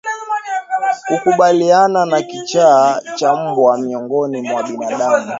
Kukabiliana na Kichaa cha mbwa miongoni mwa binadamu